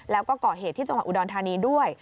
แล้วก็ก่อเหตุที่จังหวัดอุดรธานีด้วย